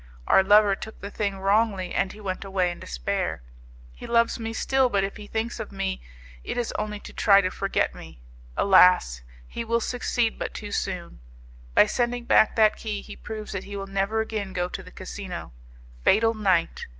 Our lover took the thing wrongly, and he went away in despair; he loves me still, but if he thinks of me it is only to try to forget me. Alas! he will succeed but too soon! By sending back that key he proves that he will never again go to the casino. Fatal night!